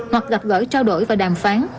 hoặc gặp gỡ trao đổi và đàm phán